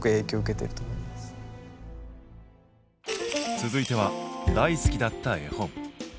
続いては大好きだった絵本。